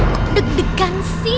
kok deg degan sih